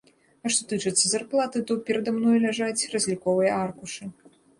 А што тычыцца зарплаты, то перада мной ляжаць разліковыя аркушы.